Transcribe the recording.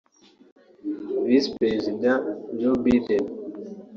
Visi- Perezida Joe Biden